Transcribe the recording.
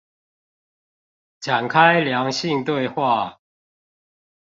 展開良性對話